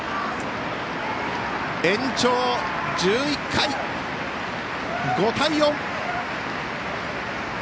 延長１１回、５対４。